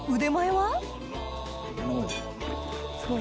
はい。